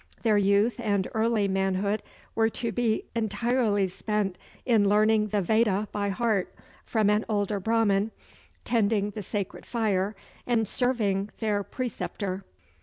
Their youth and early manhood were to be entirely spent in learning the Veda by heart from an older Brahman, tending the sacred fire, and serving their preceptor.